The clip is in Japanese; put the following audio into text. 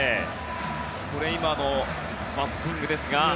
今のバッティングですが。